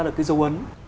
ra được cái dấu ấn